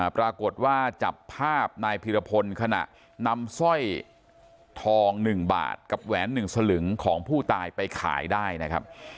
ปรากฏว่าจับภาพนายพิรพลขณะนำสร้อยทอง๑บาทกับแหวน๑สลึงของผู้ตายไปขายได้นะครับ